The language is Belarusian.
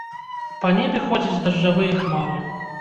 Па небе ходзяць дажджавыя хмары.